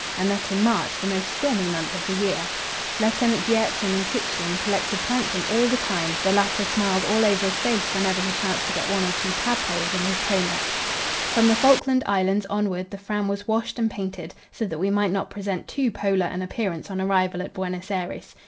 and that in March, the most stormy month of the year. Lieutenant Gjertsen and Kutschin collected plankton all the time; the latter smiled all over his face whenever he chanced to get one or two "tadpoles" in his tow net. From the Falkland Islands onward the Fram was washed and painted, so that we might not present too "Polar" an appearance on arrival at Buenos Aires.